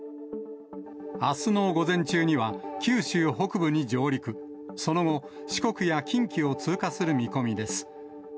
あすの午前中には、九州北部に上陸、その後、四国や近畿を通過する見込みです。